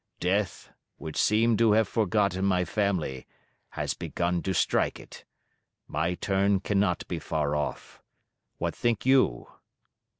Death, which seemed to have forgotten my family, has begun to strike it; my turn cannot be far off. What think you?"